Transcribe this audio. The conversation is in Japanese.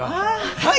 はい！